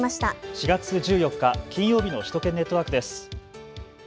４月１４日、金曜日の首都圏ネットワークです。